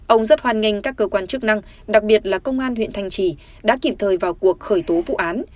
ông rất hoan nghênh các cơ quan chức năng đặc biệt là công an huyện thanh trì đã kịp thời vào cuộc khởi tố vụ án